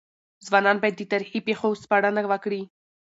ځوانان بايد د تاريخي پېښو سپړنه وکړي.